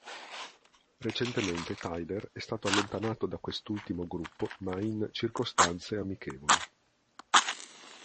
Recentemente, Tyler è stato allontanato da quest'ultimo gruppo, ma in circostanze amichevoli.